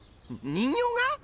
人形が？